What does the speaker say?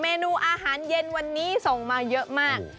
เมนูอาหารเย็นวันนี้ส่งมาเยอะมาก